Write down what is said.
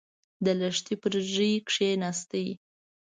د لښتي پر ژۍکېناست.